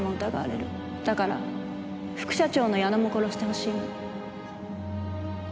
だから副社長の矢野も殺してほしいの。